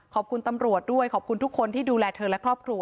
ขอบคุณตำรวจด้วยขอบคุณทุกคนที่ดูแลเธอและครอบครัว